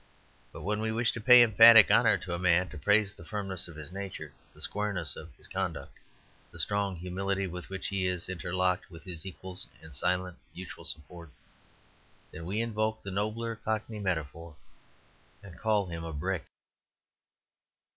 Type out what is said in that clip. But when we wish to pay emphatic honour to a man, to praise the firmness of his nature, the squareness of his conduct, the strong humility with which he is interlocked with his equals in silent mutual support, then we invoke the nobler Cockney metaphor, and call him a brick.